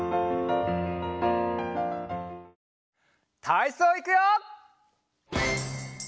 たいそういくよ！